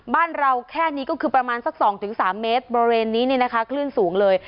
บ้านเราแค่นี้ก็คือประมาณสัก๒๓เมตรบริเวณนี้เนี่ยนะคะคลื่นสูงเลย